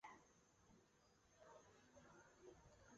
田纳西级战列舰是美国建造的一种战列舰。